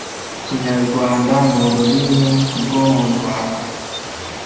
Ikinyarwanda n’urirmi rwo mu Rwanda